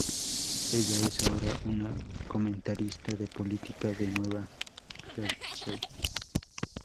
Ella es ahora una comentarista de política de Nueva Jersey.